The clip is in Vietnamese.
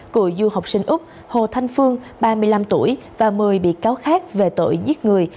cựu du học sinh úc hồ thanh phương ba mươi năm tuổi và một mươi bị cáo khác về tội giết người